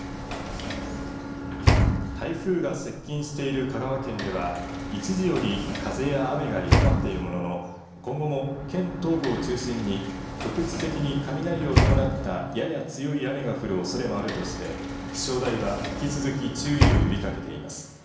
台風が接近している香川県では一時より風や雨が弱まっているものの今後も県東部を中心に局地的に雷を伴ったやや強い雨が降るおそれもあるとして気象台は引き続き注意を呼びかけています。